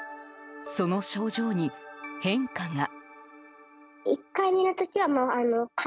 その症状に変化が。